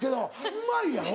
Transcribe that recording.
うまいやろ？